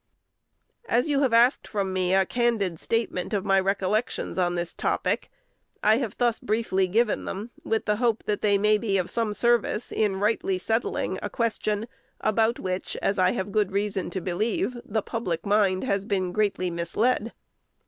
"As you have asked from me a candid statement of my recollections on this topic, I have thus briefly given them, with the hope that they may be of some service in rightly settling a question about which as I have good reason to believe the public mind has been greatly misled.